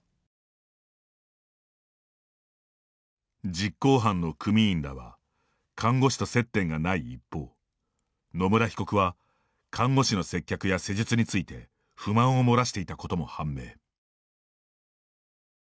実行犯の組員らは看護師と接点がない一方野村被告は看護師の接客や施術について不満を漏らしていたことも判明。